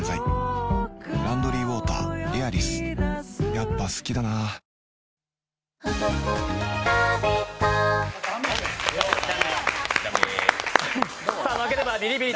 やっぱ好きだな負ければビリビリ！